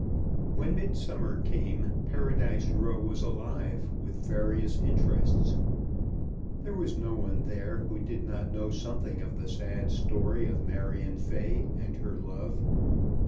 When Midsummer came Paradise Row was alive with various interests. There was no one there who did not know something of the sad story of Marion Fay and her love.